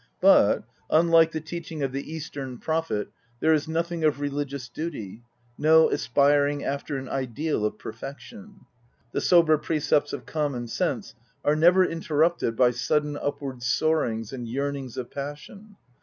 INTRODUCTION. xxvn But, unlike the teaching of the Eastern prophet, there is nothing of rt ligious duty, no aspiring after an ideal of perfection. The sober precepts of common sense are never interrupted by sudden upward soarings and yearnings of passion.